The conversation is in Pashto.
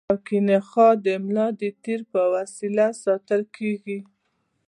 شوکي نخاع د ملا د تیر په وسیله ساتل کېږي.